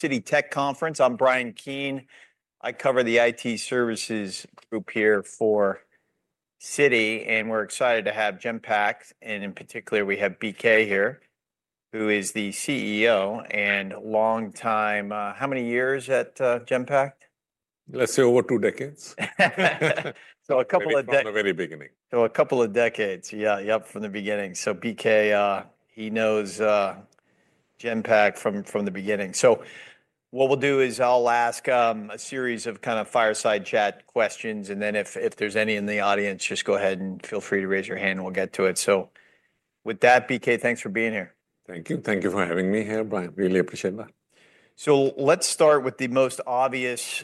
Citi Tech Conference. I'm Brian Keene. I cover the IT services group here for Citi, and we're excited to have Genpact. In particular, we have BK here, who is the CEO and long time, how many years at Genpact? Let's say over two decades. A couple of decades. From the very beginning. A couple of decades. Yeah, yep, from the beginning. BK knows Genpact from the beginning. What we'll do is I'll ask a series of kind of fireside chat questions, and if there's any in the audience, just go ahead and feel free to raise your hand and we'll get to it. With that, BK, thanks for being here. Thank you. Thank you for having me here. I really appreciate that. Let's start with the most obvious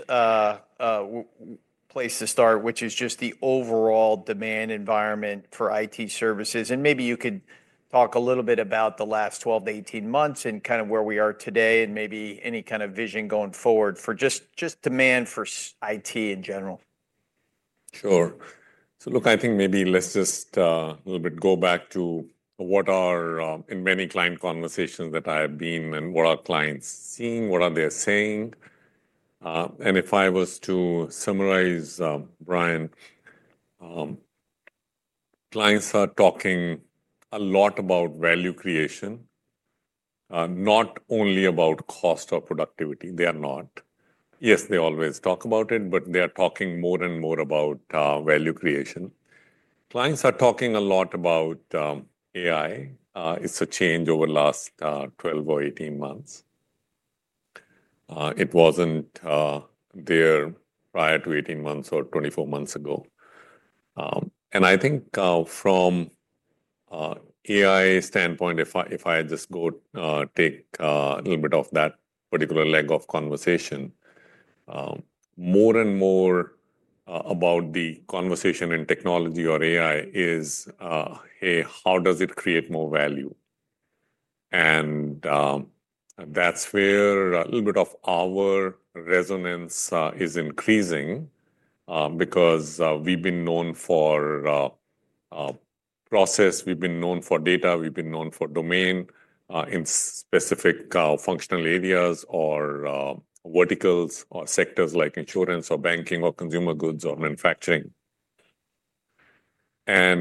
place to start, which is just the overall demand environment for IT services. Maybe you could talk a little bit about the last 12 months- 18 months and kind of where we are today and maybe any kind of vision going forward for just demand for IT in general. Sure. I think maybe let's just a little bit go back to what are, in many client conversations that I have been, and what are clients seeing, what are they saying? If I was to summarize, Brian, clients are talking a lot about value creation, not only about cost or productivity. They are not. Yes, they always talk about it, but they are talking more and more about value creation. Clients are talking a lot about AI. It's a change over the last 12 months or 18 months. It wasn't there prior to 18 months or 24 months ago. I think from an AI standpoint, if I just go take a little bit of that particular leg of conversation, more and more about the conversation in technology or AI is, hey, how does it create more value? That's where a little bit of our resonance is increasing because we've been known for process, we've been known for data, we've been known for domain in specific functional areas or verticals or sectors like insurance or banking or consumer goods or manufacturing. I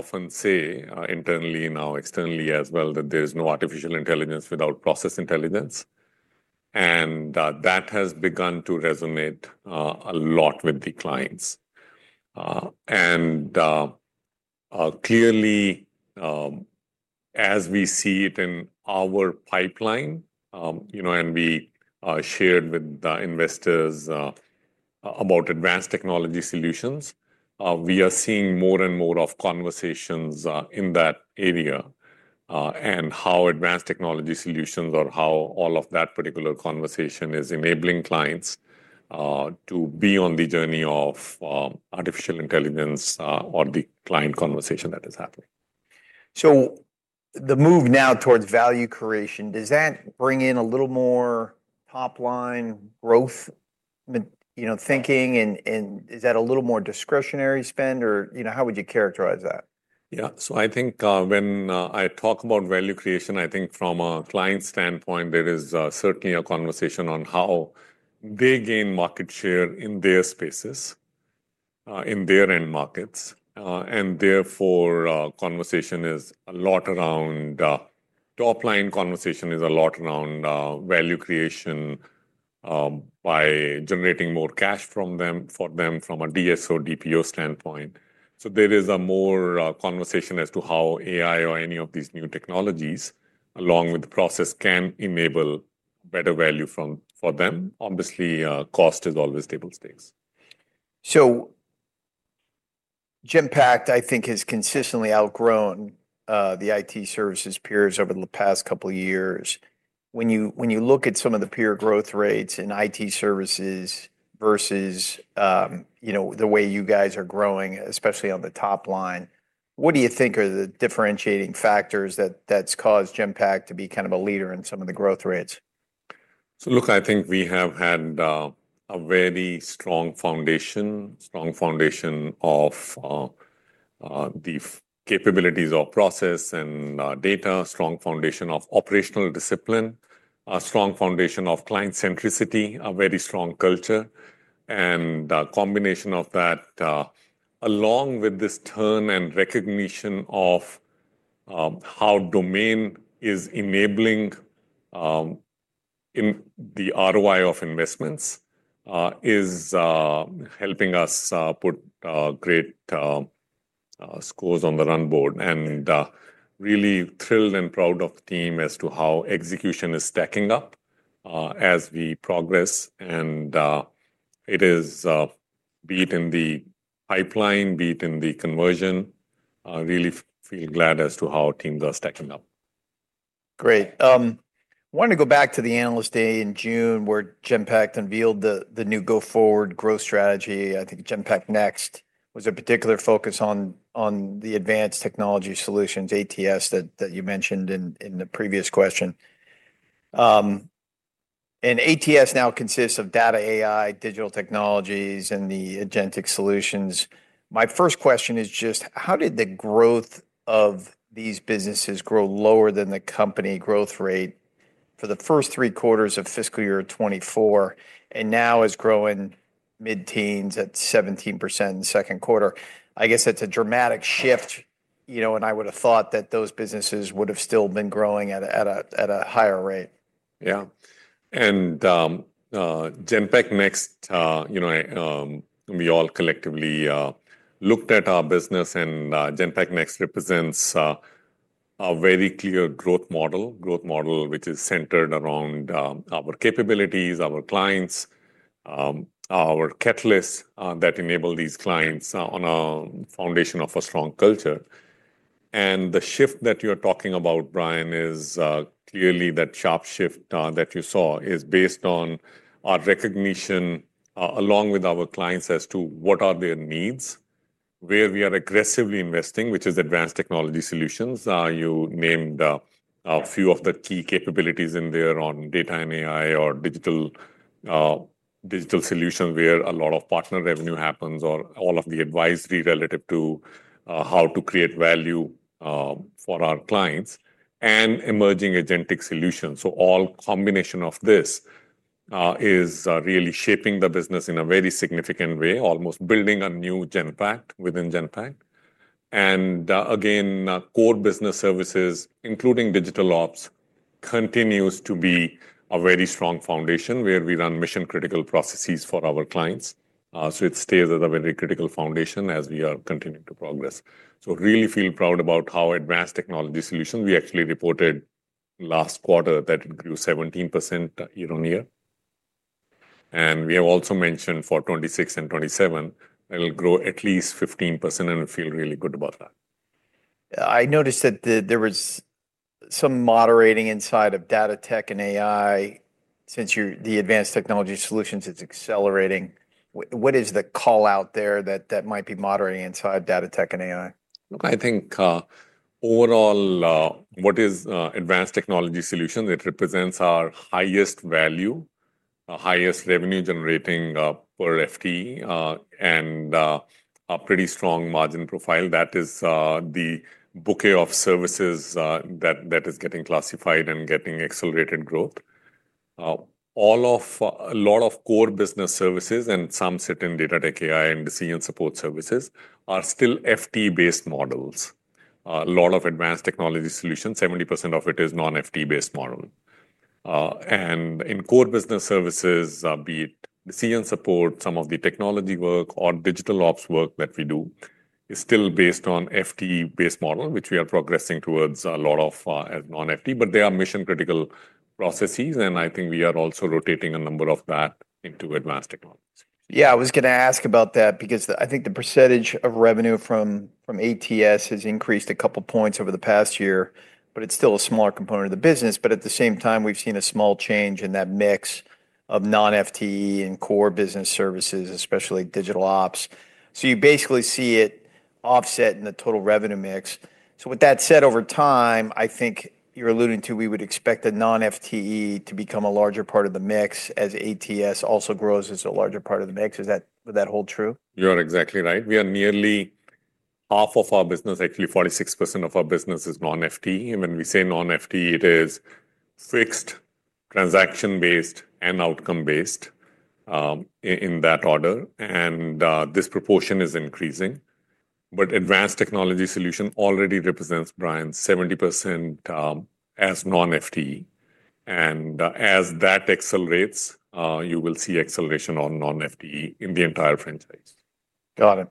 often say internally now, externally as well, that there's no artificial intelligence without process intelligence. That has begun to resonate a lot with the clients. Clearly, as we see it in our pipeline, and we shared with the investors about advanced technology solutions, we are seeing more and more of conversations in that area and how advanced technology solutions or how all of that particular conversation is enabling clients to be on the journey of artificial intelligence or the client conversation that is happening. The move now towards value creation, does that bring in a little more top-line growth, you know, thinking? Is that a little more discretionary spend? You know, how would you characterize that? I think when I talk about value creation, I think from a client standpoint, there is certainly a conversation on how they gain market share in their spaces, in their end markets. Therefore, conversation is a lot around top-line, conversation is a lot around value creation by generating more cash for them from a DSO, DPO standpoint. There is more conversation as to how AI or any of these new technologies, along with the process, can enable better value for them. Obviously, cost is always table stakes. Genpact, I think, has consistently outgrown the IT services peers over the past couple of years. When you look at some of the peer growth rates in IT services versus the way you guys are growing, especially on the top line, what do you think are the differentiating factors that cause Genpact to be kind of a leader in some of the growth rates? I think we have had a very strong foundation, strong foundation of the capabilities of process and data, a strong foundation of operational discipline, a strong foundation of client centricity, a very strong culture, and a combination of that, along with this turn and recognition of how domain is enabling in the ROI of investments, is helping us put great scores on the run board. I am really thrilled and proud of the team as to how execution is stacking up as we progress. It is, be it in the pipeline, be it in the conversion, really feel glad as to how teams are stacking up. Great. I wanted to go back to the Analyst Day in June where Genpact unveiled the new go-forward growth strategy. I think Genpact Next was a particular focus on the advanced technology solutions, ATS, that you mentioned in the previous question. ATS now consists of data, AI, digital tech nologies, and the agentic solutions. My first question is just how did the growth of these businesses grow lower than the company growth rate for the first three quarters of fiscal year 2024 and now is growing mid-teens at 17% in the second quarter? I guess that's a dramatic shift, you know, and I would have thought that those businesses would have still been growing at a higher rate. Yeah. Genpact Next, you know, we all collectively looked at our business, and Genpact Next represents a very clear growth model, a growth model which is centered around our capabilities, our clients, our catalysts that enable these clients on a foundation of a strong culture. The shift that you're talking about, Brian, is clearly that sharp shift that you saw is based on our recognition along with our clients as to what are their needs, where we are aggressively investing, which is advanced technology solutions. You named a few of the key capabilities in there on data and AI or digital technologies where a lot of partner revenue happens or all of the advisory relative to how to create value for our clients and emerging agentic solutions. All combination of this is really shaping the business in a very significant way, almost building a new Genpact within Genpact. Core business services, including digital ops, continues to be a very strong foundation where we run mission-critical processes for our clients. It stays at a very critical foundation as we are continuing to progress. I really feel proud about how advanced technology solutions we actually reported last quarter that it grew 17% year- on- year. We have also mentioned for 2026 and 2027, it'll grow at least 15% and feel really good about that. I noticed that there was some moderating inside of data t ech and AI since the advanced technology solutions is accelerating. What is the call out there that might be moderating inside of data t ech and AI? Look, I think overall, what is advanced technology solutions, it represents our highest value, highest revenue generating per FTE, and a pretty strong margin profile. That is the bouquet of services that is getting classified and getting accelerated growth. A lot of core business services and some sit in data tech, AI, and decision support services are still FTE-based models. A lot of advanced technology solutions, 70% of it is non-FTE-based models. In core business services, be it decision support, some of the technology work, or digital ops work that we do is still based on FTE-based models, which we are progressing towards a lot of non-FTE, but they are mission-critical processes. I think we are also rotating a number of that into advanced technologies. Yeah, I was going to ask about that because I think the percentage of revenue from ATS has increased a couple of points over the past year, but it's still a smaller component of the business. At the same time, we've seen a small change in that mix of non-FTE and core business services, especially digital ops. You basically see it offset in the total revenue mix. With that said, over time, I think you're alluding to we would expect a non-FTE to become a larger part of the mix as ATS also grows as a larger part of the mix. Does that hold true? You're exactly right. Nearly half of our business, actually 46% of our business, is non-FTE. When we say non-FTE, it is fixed, transaction-based, and outcome-based in that order. This proportion is increasing. Advanced technology solution already represents, Brian, 70% as non-FTE. As that accelerates, you will see acceleration on non-FTE in the entire franchise. Got it.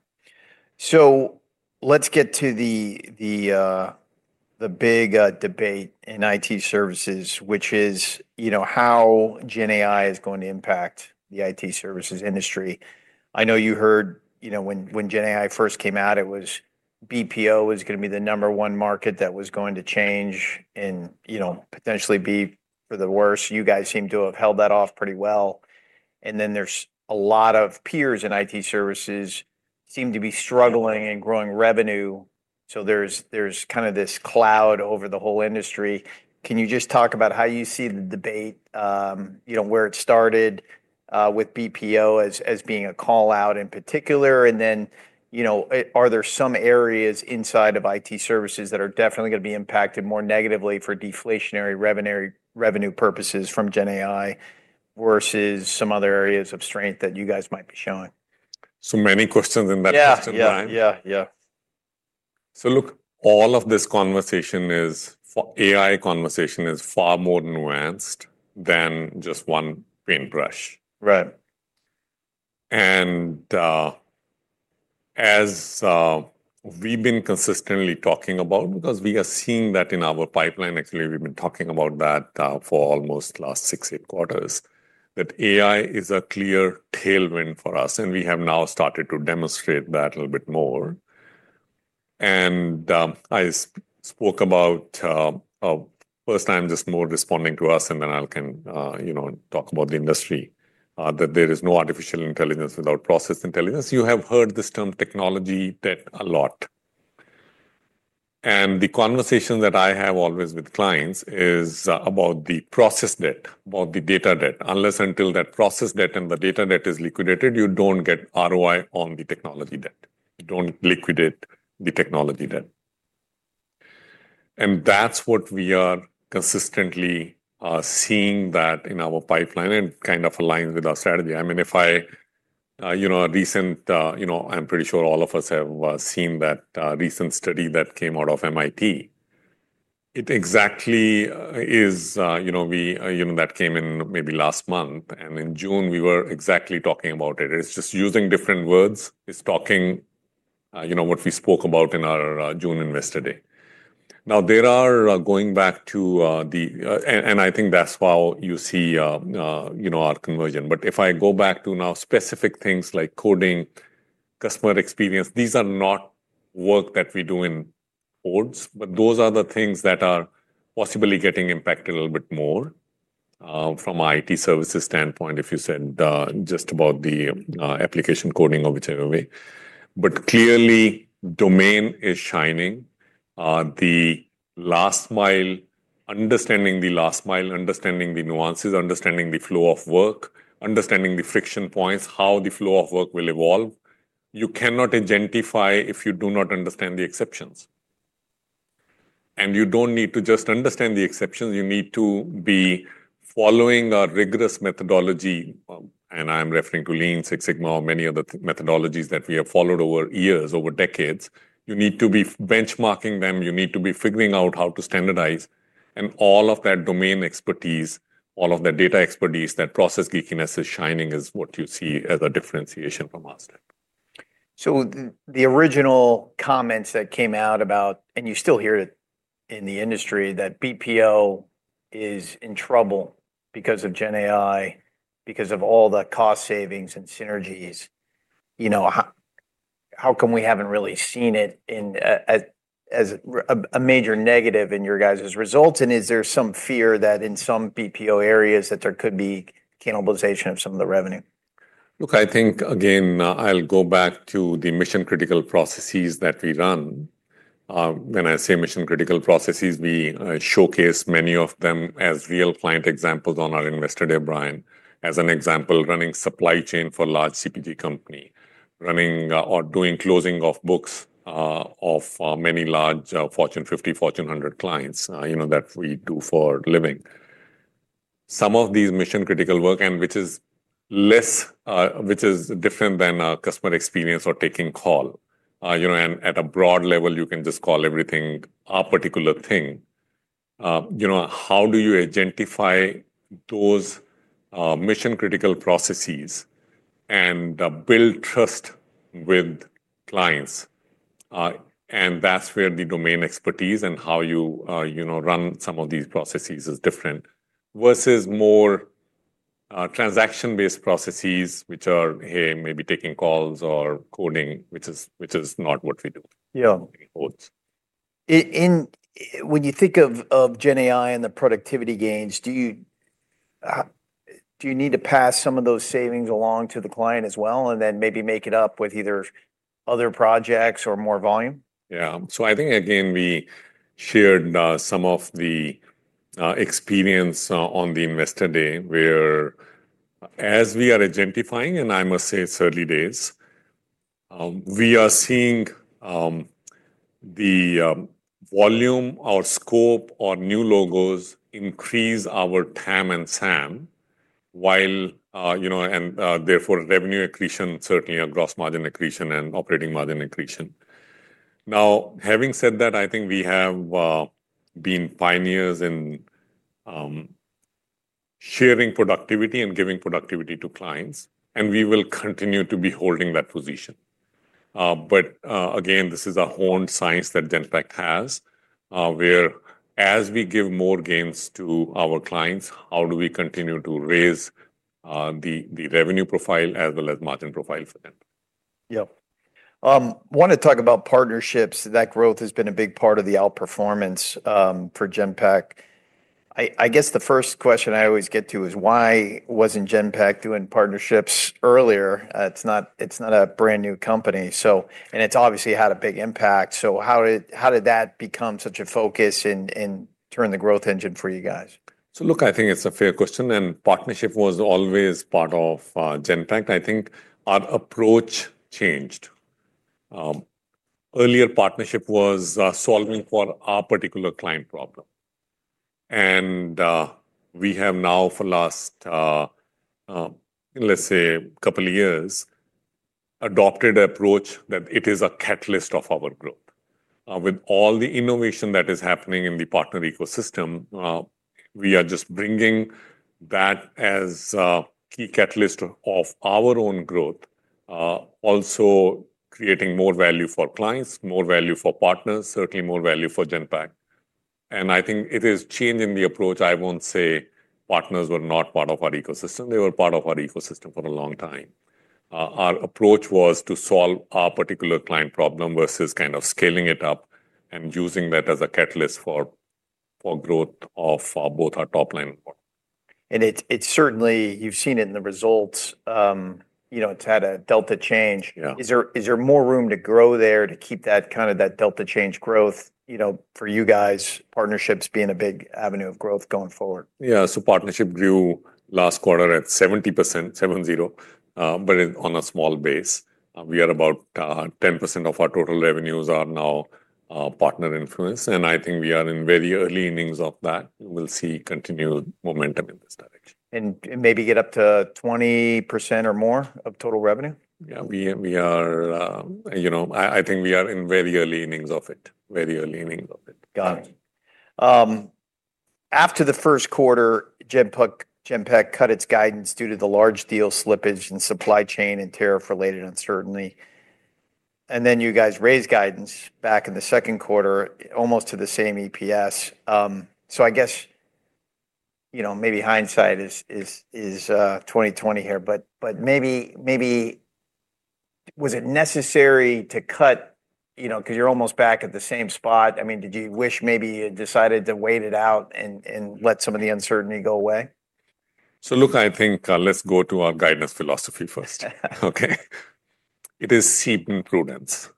Let's get to the big debate in IT services, which is how Gen AI is going to impact the IT services industry. I know you heard when Gen AI first came out, it was BPO was going to be the number one market that was going to change and potentially be for the worse. You guys seem to have held that off pretty well. There are a lot of peers in IT services that seem to be struggling and growing revenue, so there's kind of this cloud over the whole industry. Can you just talk about how you see the debate, where it started with BPO as being a call out in particular? Are there some areas inside of IT services that are definitely going to be impacted more negatively for deflationary revenue purposes from generative AI versus some other areas of strength that you guys might be showing? So many questions in that question, Brian. Yeah, yeah. All of this conversation for AI conversation is far more nuanced than just one paintbrush. Right. As we've been consistently talking about, we are seeing that in our pipeline. We've been talking about that for almost the last six to eight quarters, that AI is a clear tailwind for us. We have now started to demonstrate that a little bit more. I spoke about, first, I'm just more responding to us, and then I can talk about the industry, that there is no artificial intelligence without process intelligence. You have heard this term technology debt a lot. The conversation that I have always with clients is about the process debt, about the data debt. Unless and until that process debt and the data debt is liquidated, you don't get ROI on the technology debt. You don't liquidate the technology debt. That's what we are consistently seeing in our pipeline and it kind of aligns with our strategy. I mean, a recent, I'm pretty sure all of us have seen that recent study that came out of MIT. It exactly is, you know, that came in maybe last month. In June, we were exactly talking about it. It's just using different words. It's talking about what we spoke about in our June Investor Day. Now, going back to the, and I think that's how you see our conversion. If I go back to now specific things like coding, customer experience, these are not work that we do in codes, but those are the things that are possibly getting impacted a little bit more from an IT services standpoint, if you said just about the application coding or whichever way. Clearly, domain is shining. The last mile, understanding the last mile, understanding the nuances, understanding the flow of work, understanding the friction points, how the flow of work will evolve, you cannot identify if you do not understand the exceptions. You don't need to just understand the exceptions. You need to be following a rigorous methodology, and I'm referring to Lean Six Sigma, or many other methodologies that we have followed over years, over decades. You need to be benchmarking them. You need to be figuring out how to standardize. All of that domain expertise, all of that data expertise, that process leakiness is shining and is what you see as a differentiation from us. The original comments that came out about, and you still hear it in the industry, that BPO is in trouble because of Gen AI, because of all the cost savings and synergies. How come we haven't really seen it as a major negative in your guys' as a result? Is there some fear that in some BPO areas that there could be cannibalization of some of the revenue? Look, I think, again, I'll go back to the mission-critical processes that we run. When I say mission-critical processes, we showcase many of them as real client examples on our Investor Day, Brian. As an example, running supply chain for a large CPG company, running or doing closing of books of many large Fortune 50, Fortune 100 clients, you know, that we do for a living. Some of these are mission-critical work, and which is less, which is different than customer experience or taking calls, you know, and at a broad level, you can just call everything a particular thing. How do you identify those mission-critical processes and build trust with clients? That's where the domain expertise and how you run some of these processes is different versus more transaction-based processes, which are, hey, maybe taking calls or coding, which is not what we do. Yeah. When you think of Gen AI and the productivity gains, do you need to pass some of those savings along to the client as well, and then maybe make it up with either other projects or more volume? Yeah. I think, again, we shared some of the experience on the Investor Day where as we are identifying, and I must say it's early days, we are seeing the volume or scope or new logos increase our TAM and SAM, and therefore revenue accretion, certainly our gross margin accretion and operating margin accretion. Having said that, I think we have been pioneers in sharing productivity and giving productivity to clients, and we will continue to be holding that position. Again, this is a honed science that Genpact has, where as we give more gains to our clients, how do we continue to raise the revenue profile as well as margin profile for them? Yep. I want to talk about partnerships. That growth has been a big part of the outperformance for Genpact. I guess the first question I always get to is why wasn't Genpact doing partnerships earlier? It's not a brand new company, and it's obviously had a big impact. How did that become such a focus and turn the growth engine for you guys? I think it's a fair question, and partnership was always part of Genpact. I think our approach changed. Earlier, partnership was solving for our particular client problem. We have now, for the last couple of years, adopted an approach that it is a catalyst of our growth. With all the innovation that is happening in the partner ecosystem, we are just bringing that as a key catalyst of our own growth, also creating more value for clients, more value for partners, certainly more value for Genpact. I think it is changing the approach. I won't say partners were not part of our ecosystem. They were part of our ecosystem for a long time. Our approach was to solve our particular client problem versus kind of scaling it up and using that as a catalyst for growth of both our top line and bottom line. You've seen it in the results. It's had a delta change. Is there more room to grow there to keep that kind of delta change growth for you guys, partnerships being a big avenue of growth going forward? Yeah, so partnership grew last quarter at 70%, seven zero, but on a small base. We are about 10% of our total revenues are now partner-influenced. I think we are in very early innings of that. We'll see continued momentum in this direction. Maybe get up to 20% or more of total revenue? Yeah, I think we are in very early innings of it, very early innings of it. Got it. After the first quarter, Genpact cut its guidance due to the large deal slippage in supply chain and tariff-related uncertainty. You guys raised guidance back in the second quarter, almost to the same EPS. I guess, maybe hindsight is 20/20 here, but was it necessary to cut, because you're almost back at the same spot? Did you wish maybe you had decided to wait it out and let some of the uncertainty go away? I think let's go to our guidance philosophy first. It is seed imprudence.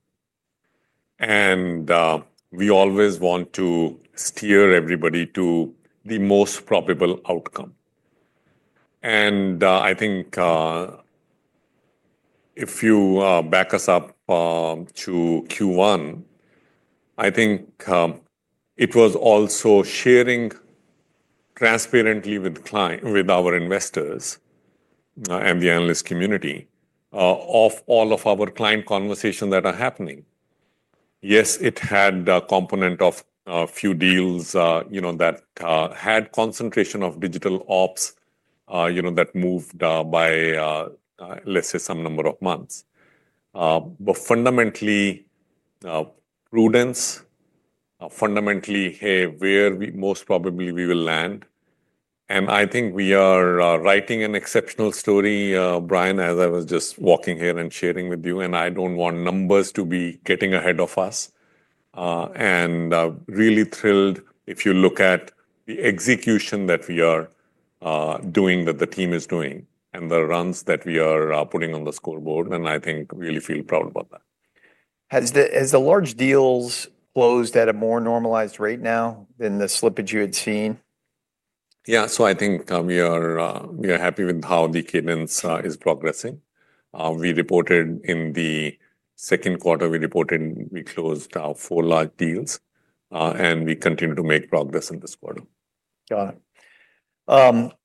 We always want to steer everybody to the most probable outcome. If you back us up to Q1, it was also sharing transparently with our investors and the analyst community all of our client conversations that are happening. Yes, it had a component of a few deals that had a concentration of digital ops that moved by, let's say, some number of months. Fundamentally, prudence, fundamentally, where we most probably will land. I think we are writing an exceptional story, Brian, as I was just walking here and sharing with you. I don't want numbers to be getting ahead of us. Really thrilled if you look at the execution that we are doing, that the team is doing, and the runs that we are putting on the scoreboard. I think really feel proud about that. Has the large deals closed at a more normalized rate now than the slippage you had seen? I think we are happy with how the cadence is progressing. We reported in the second quarter we closed four large deals, and we continue to make progress in this quarter. Got it.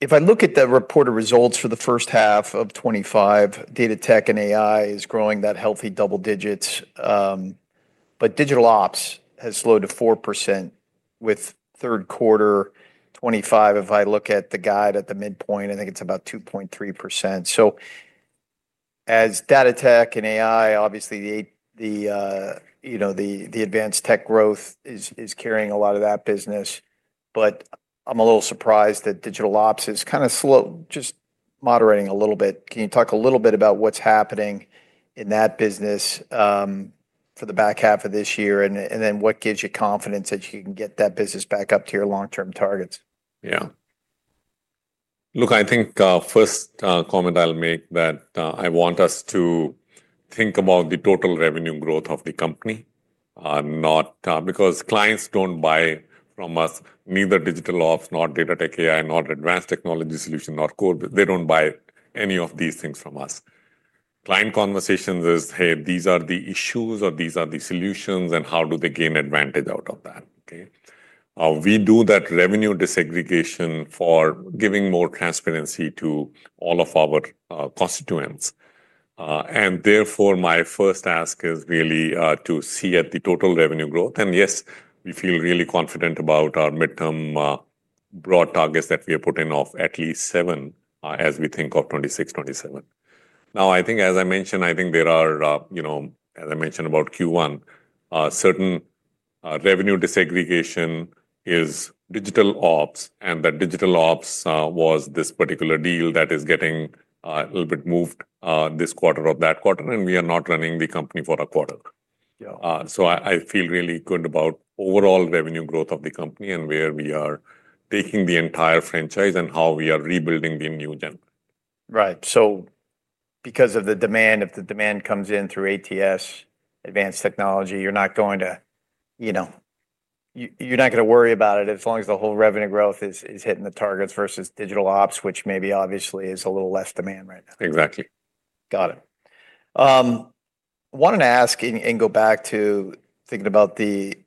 If I look at the reported results for the first half of 2025, data tech and AI is growing that healthy double digits, but digital ops has slowed to 4% with third quarter 2025. If I look at the guide at the midpoint, I think it's about 2.3%. As data tech and AI, obviously, the advanced tech growth is carrying a lot of that business. I'm a little surprised that digital ops is kind of slow, just moderating a little bit. Can you talk a little bit about what's happening in that business for the back half of this year? What gives you confidence that you can get that business back up to your long-term targets? Yeah. Look, I think the first comment I'll make is that I want us to think about the total revenue growth of the company, not because clients don't buy from us, neither digital ops, nor data tech, AI, nor advanced technology solutions, nor code. They don't buy any of these things from us. Client conversations are, hey, these are the issues or these are the solutions and how do they gain advantage out of that? We do that revenue desegregation for giving more transparency to all of our constituents. Therefore, my first ask is really to see at the total revenue growth. Yes, we feel really confident about our midterm broad targets that we have put in of at least 7% as we think of 2026, 2027. Now, I think, as I mentioned, there are, you know, as I mentioned about Q1, certain revenue desegregation is digital ops. That digital ops was this particular deal that is getting a little bit moved this quarter or that quarter. We are not running the company for a quarter. I feel really good about overall revenue growth of the company and where we are taking the entire franchise and how we are rebuilding the new gen. Right. Because of the demand, if the demand comes in through ATS, advanced technology, you're not going to worry about it as long as the whole revenue growth is hitting the targets versus digital ops, which maybe obviously is a little less demand right now. Exactly. Got it. I wanted to ask and go back to thinking about the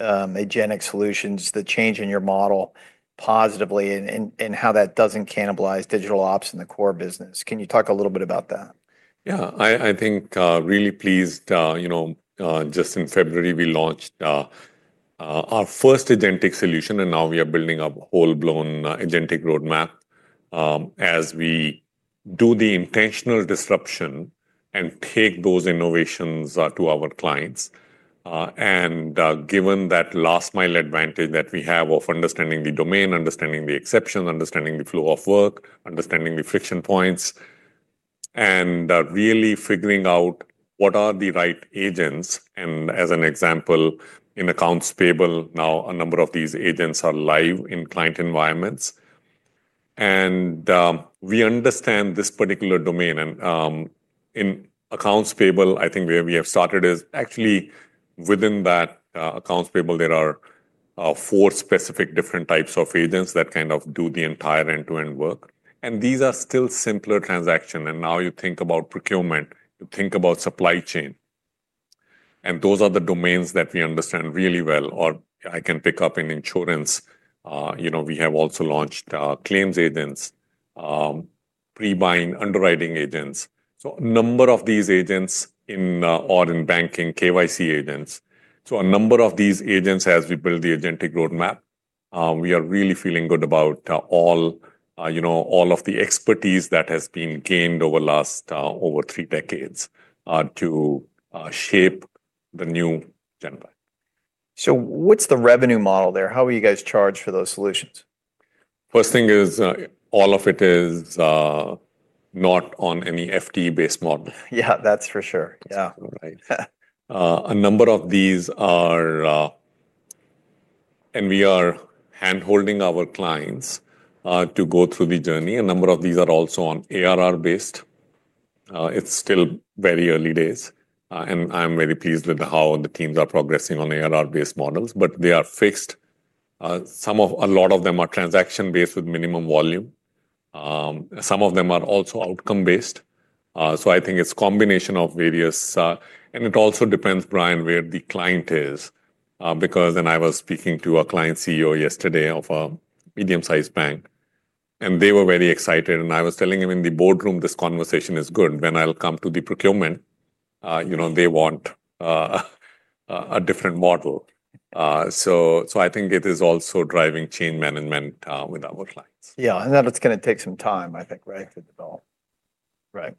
agentic solutions, the change in your model positively and how that doesn't cannibalize digital ops in the core business. Can you talk a little bit about that? Yeah, I think really pleased, you know, just in February, we launched our first agentic solution, and now we are building up a full-blown agentic roadmap as we do the intentional disruption and take those innovations to our clients. Given that last-mile advantage that we have of understanding the domain, understanding the exceptions, understanding the flow of work, understanding the friction points, and really figuring out what are the right agents. For example, in Accounts Payable, now a number of these agents are live in client environments. We understand this particular domain. In Accounts Payable, I think where we have started is actually within that Accounts Payable, there are four specific different types of agents that kind of do the entire end-to-end work. These are still simpler transactions. Now you think about procurement, you think about supply chain. Those are the domains that we understand really well, or I can pick up in insurance. You know, we have also launched claims agents, pre-buying, underwriting agents. A number of these agents in or in banking, KYC agents. A number of these agents, as we build the agentic roadmap, we are really feeling good about all, you know, all of the expertise that has been gained over the last over three decades to shape the new Genpact. What is the revenue model there? How are you guys charged for those solutions? First thing is all of it is not on any FTE-based model. Yeah, that's for sure. Yeah. A number of these are, and we are hand-holding our clients to go through the journey. A number of these are also on ARR-based. It's still very early days. I'm very pleased with how the teams are progressing on ARR-based models, but they are fixed. A lot of them are transaction-based with minimum volume. Some of them are also outcome-based. I think it's a combination of various, and it also depends, Brian, where the client is, because I was speaking to a client CEO yesterday of a medium-sized bank. They were very excited. I was telling him in the boardroom, this conversation is good. When I come to the procurement, you know, they want a different model. I think it is also driving change management with our clients. Yeah, and that's going to take some time, I think, right? Right.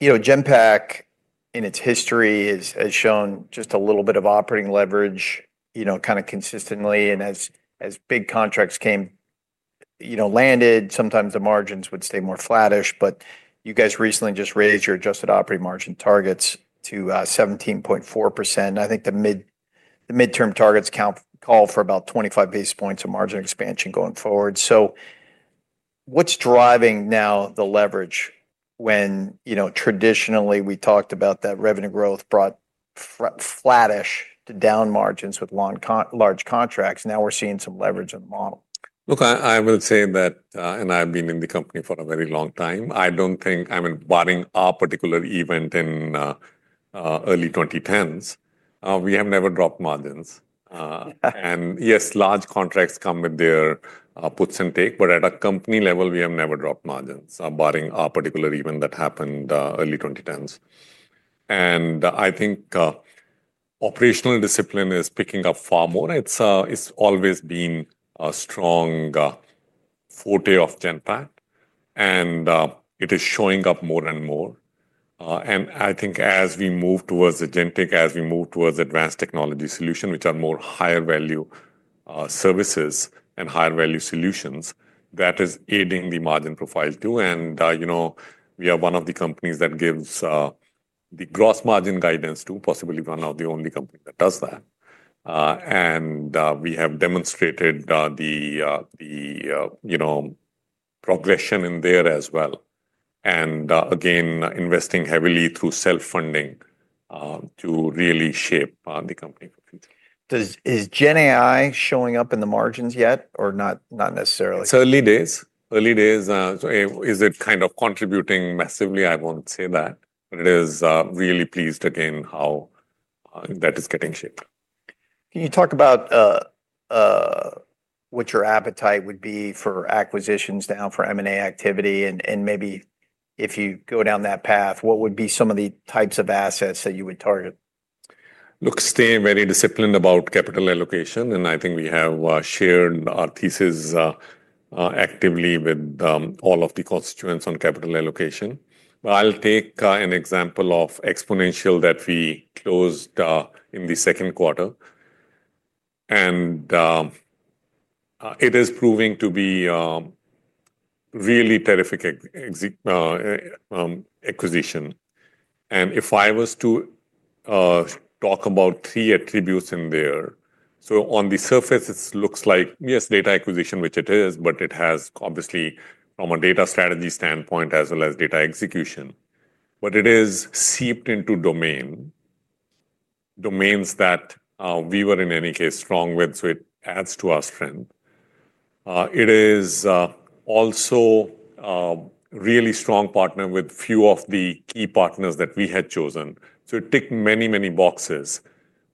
You know, Genpact, in its history, has shown just a little bit of operating leverage, kind of consistently. As big contracts came, landed, sometimes the margins would stay more flattish. You guys recently just raised your adjusted operating margin targets to 17.4%. I think the mid-term targets call for about 25 basis points of margin expansion going forward. What's driving now the leverage when, traditionally, we talked about that revenue growth brought flattish to down margins with long, large contracts? Now we're seeing some leverage in the model. Look, I would say that, and I've been in the company for a very long time, I don't think I'm embodying a particular event in the early 2010s. We have never dropped margins. Yes, large contracts come with their puts and takes, but at a company level, we have never dropped margins, barring a particular event that happened in the early 2010s. I think operational discipline is picking up far more. It's always been a strong forte of Genpact, and it is showing up more and more. I think as we move towards agentic, as we move towards advanced technology solutions, which are more higher value services and higher value solutions, that is aiding the margin profile too. You know, we are one of the companies that gives the gross margin guidance too, possibly one of the only companies that does that. We have demonstrated the progression in there as well. Again, investing heavily through self-funding to really shape the company. Is GenAI showing up in the margins yet or not necessarily? It's early days. Early days. Is it kind of contributing massively? I won't say that, but I am really pleased again how that is getting shaped. Can you talk about what your appetite would be for acquisitions or for M&A activity? If you go down that path, what would be some of the types of assets that you would target? Look, staying very disciplined about capital allocation. I think we have shared our thesis actively with all of the constituents on capital allocation. I'll take an example of Exponential that we closed in the second quarter. It is proving to be a really terrific acquisition. If I was to talk about three attributes in there, on the surface, it looks like, yes, data acquisition, which it is, but it has obviously, from a data strategy standpoint, as well as data execution. It is seeped into domain, domains that we were in any case strong with. It adds to our strength. It is also a really strong partner with a few of the key partners that we had chosen. It ticks many, many boxes.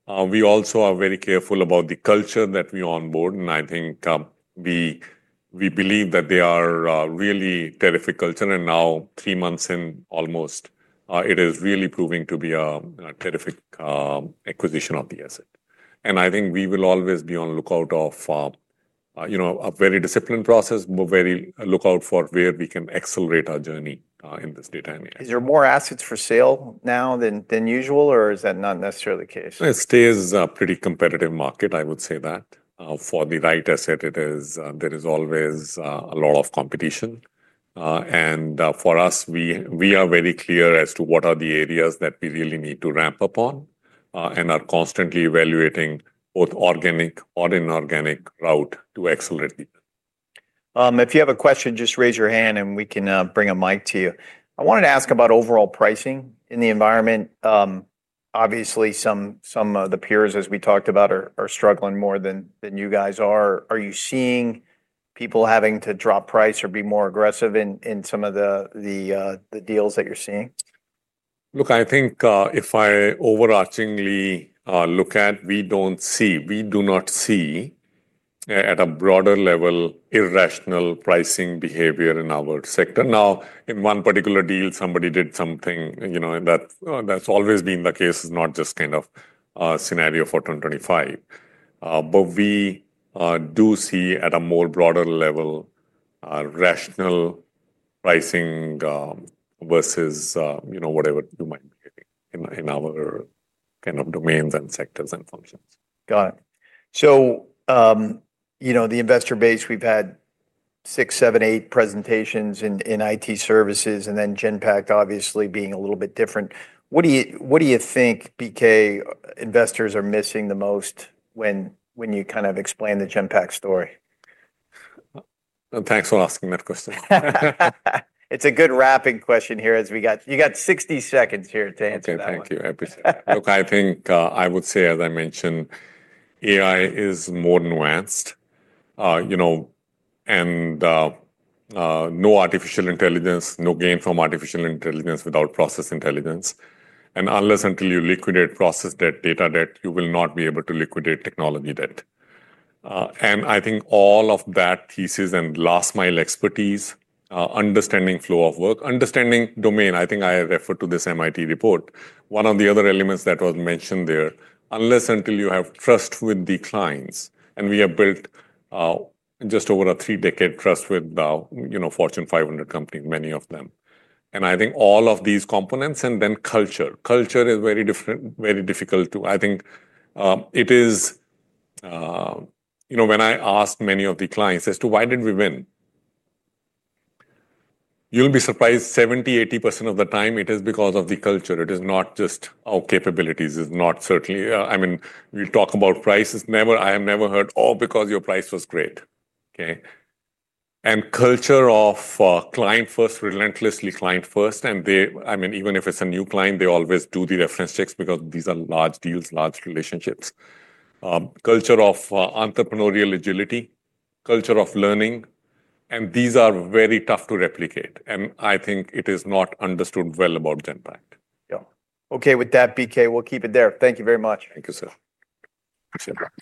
We also are very careful about the culture that we onboard. I think we believe that they are a really terrific culture. Now, three months in almost, it is really proving to be a terrific acquisition of the asset. I think we will always be on the lookout for a very disciplined process, but very lookout for where we can accelerate our journey in this data area. Is there more assets for sale now than usual, or is that not necessarily the case? It stays a pretty competitive market, I would say that. For the right asset, there is always a lot of competition. For us, we are very clear as to what are the areas that we really need to ramp up on and are constantly evaluating both organic or inorganic route to accelerate these. If you have a question, just raise your hand and we can bring a mic to you. I wanted to ask about overall pricing in the environment. Obviously, some of the peers, as we talked about, are struggling more than you guys are. Are you seeing people having to drop price or be more aggressive in some of the deals that you're seeing? Look, I think if I overarchingly look at it, we do not see at a broader level irrational pricing behavior in our sector. Now, in one particular deal, somebody did something, you know, and that's always been the case. It's not just kind of a scenario for 2025. We do see at a more broader level rational pricing versus, you know, whatever you might be getting in our kind of domains and sectors and functions. Got it. The investor base, we've had six, seven, eight presentations in IT services, and then Genpact obviously being a little bit different. What do you think BK investors are missing the most when you kind of explain the Genpact story? Thanks for asking that question. It's a good wrapping question here as we got 60 seconds here to answer that. Thank you. I appreciate it. I think I would say, as I mentioned, AI is more nuanced, you know, and no artificial intelligence, no gain from artificial intelligence without process intelligence. Unless and until you liquidate process debt, data debt, you will not be able to liquidate technology debt. I think all of that thesis and last-mile expertise, understanding flow of work, understanding domain, I think I referred to this MIT report, one of the other elements that was mentioned there, unless and until you have trust with the clients. We have built just over a three-decade trust with, you know, Fortune 500 companies, many of them. I think all of these components and then culture. Culture is very different, very difficult to, I think it is, you know, when I ask many of the clients as to why did we win, you'll be surprised 70%, 80% of the time it is because of the culture. It is not just our capabilities. It's not certainly, I mean, we talk about prices. Never, I have never heard, oh, because your price was great. Culture of client first, relentlessly client first. Even if it's a new client, they always do the reference checks because these are large deals, large relationships. Culture of entrepreneurial agility, culture of learning. These are very tough to replicate. I think it is not understood well about Genpact. Yeah. Okay, with that, BK, we'll keep it there. Thank you very much. Thank you, sir.